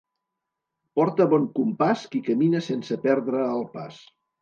Porta bon compàs qui camina sense perdre el pas.